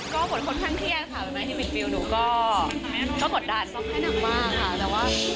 ก็เป็นคนค่อนข้างเครียดค่ะในมีดฟิวหนูก็